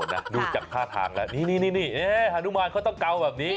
ดูจากท่าทางนี่มันต้องเกาแบบนี้